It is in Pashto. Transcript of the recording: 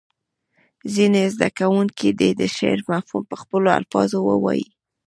ځینې زده کوونکي دې د شعر مفهوم په خپلو الفاظو ووایي.